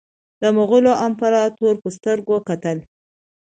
د مغولو امپراطور په سترګه کتل.